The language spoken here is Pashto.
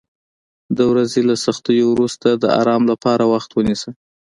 د ورځې له سختیو وروسته د آرام لپاره وخت ونیسه.